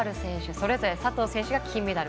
それぞれ、佐藤選手が金メダル。